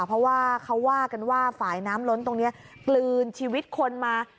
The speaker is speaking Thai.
เพราะว่าเขาว่ากันว่าฝ่ายน้ำล้นตรงนี้กลืนชีวิตคนมา